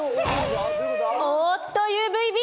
おっとＵＶーＢ